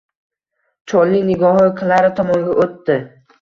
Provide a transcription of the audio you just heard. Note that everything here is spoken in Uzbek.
Cholning nigohi Klara tomonga o’tdi